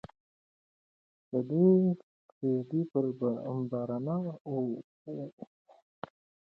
د دوی کږدۍ پر بارانه ولاړه وه.